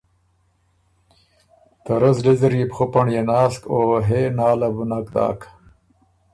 ته رۀ زلی زر يې بُو خُپنړيې ناسک او ”هې نا“ له بُو نک داک۔